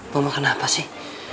mau makan apa sih